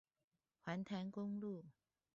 環潭公路